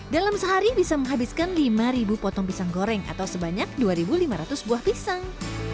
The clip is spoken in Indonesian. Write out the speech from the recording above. dalam sehari bisa menghabiskan lima potong pisang goreng atau sebanyak dua lima ratus buah pisang